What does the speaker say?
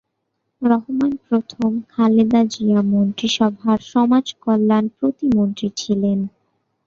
রহমান প্রথম খালেদা জিয়া মন্ত্রীসভার সমাজকল্যাণ প্রতিমন্ত্রী ছিলেন।